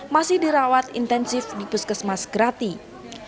masih dirawat intensif dipuskesmasa gratis